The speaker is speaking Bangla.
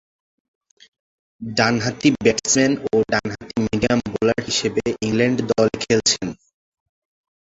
ডানহাতি ব্যাটসম্যান ও ডানহাতি মিডিয়াম বোলার হিসেবে ইংল্যান্ড দলে খেলছেন।